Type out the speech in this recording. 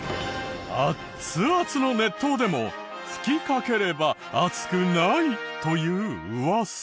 アッツアツの熱湯でも吹きかければ熱くないというウワサ。